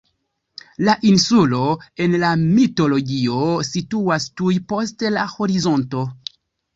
La insulo, en la mitologio, situas tuj post la horizonto.